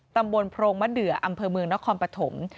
โพรงมะเดืออำเภอเมืองนครปฐม